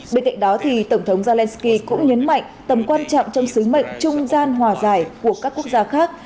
bên cạnh đó tổng thống zelensky cũng nhấn mạnh tầm quan trọng trong sứ mệnh trung gian hòa giải của các quốc gia khác